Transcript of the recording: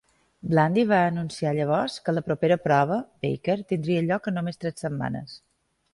Blandy va anunciar llavors que la propera prova, Baker, tindria lloc en només tres setmanes.